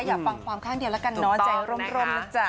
อยากฟังความข้างเดียวแล้วกันเนาะใจร่มนะจ๊ะ